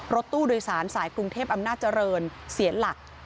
รถตู้โดยสารสายกรุงเทพอำนาจเจริญเสียหลัก